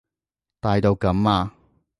大到噉啊？